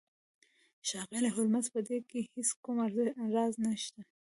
ښاغلی هولمز په دې کې هیڅ کوم راز نشته